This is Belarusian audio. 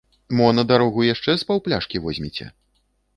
Мо на дарогу яшчэ з паўпляшкі возьмеце?